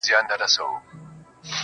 • په یو نظر کي مي د سترگو په لړم نیسې.